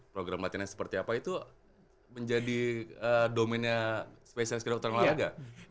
program latihan yang seperti apa itu menjadi domainnya spesialis ke dokter olahraga